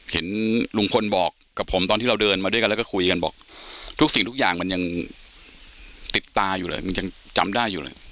เห็นลุงพลบอกกับผมตอนที่เราเดินมาด้วยกันแล้วก็คุยกันบอกทุกสิ่งทุกอย่างมันยังติดตาอยู่เลยมันยังจำได้อยู่เลย